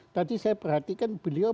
tadi saya perhatikan beliau